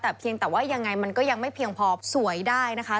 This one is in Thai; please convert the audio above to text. แต่ว่ายังไงมันก็ยังไม่เพียงพอสวยได้นะคะ